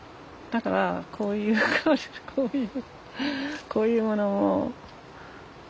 だからこういうこういうもの待ってたのね。